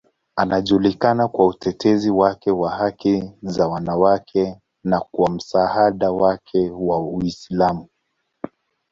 Anajulikana kwa utetezi wake wa haki za wanawake na kwa msaada wake wa Uislamu.